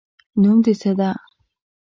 نوم د څه ده